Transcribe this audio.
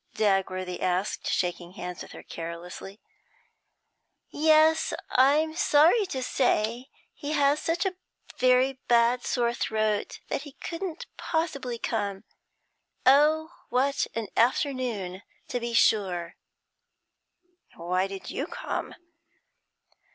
Dagworthy asked, shaking hands with her carelessly. 'Yes; I'm sorry to say he has such a very bad sore throat that he couldn't possibly come. Oh, what an afternoon it is, to be sure!' 'Why did you come?'